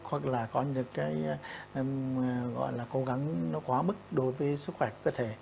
hoặc là có những cái gọi là cố gắng quá mức đối với sức khỏe cơ thể